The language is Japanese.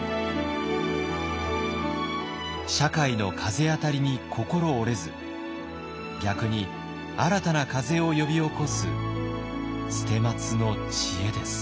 社会の風当たりに心折れず逆に新たな風を呼び起こす捨松の知恵です。